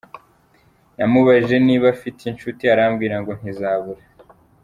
Namubajije niba afite inshuti arambwira ngo ntizabura.